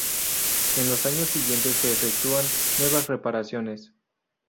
En los años siguientes se efectúan nuevas reparaciones.